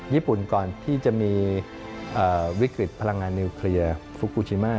ญี่ปุ่นก่อนที่จะมีวิกฤตพลังงานนิวเคลียร์ฟูกูชิมา